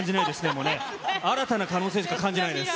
もうね、新たな可能性しか感じないです。